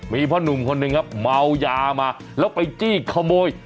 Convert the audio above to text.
มีพ่อหนุ่มคนหนึ่งครับเมายามาแล้วไปจี้ขโมย